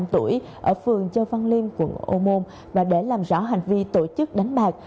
bốn mươi tuổi ở phường châu văn liêm quận ô môn và để làm rõ hành vi tổ chức đánh bạc